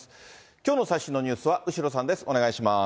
きょうの最新のニュースは後呂さんです。